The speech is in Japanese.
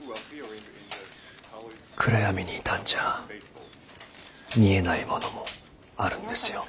暗闇にいたんじゃあ見えないものもあるんですよ。